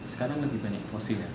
sekarang lebih banyak fosil